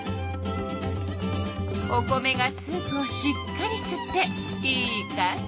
お米がスープをしっかりすってイーカんじ！